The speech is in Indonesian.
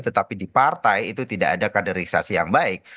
tetapi di partai itu tidak ada kaderisasi yang baik